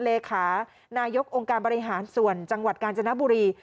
เลขานายกองค์การบริหารส่วนจังหวัดกาญจนบุรี